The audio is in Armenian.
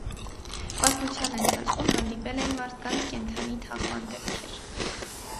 Պատմության ընթացքում հանդիպել են մարդկանց կենդանի թաղման դեպքեր։